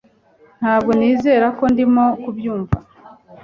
ntabwo nizera ko ndimo kubyumva